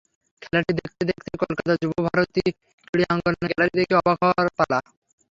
খেলাটি দেখতে দেখতেই কলকাতার যুবভারতী ক্রীড়াঙ্গনের গ্যালারি দেখে অবাক হওয়ার পালা।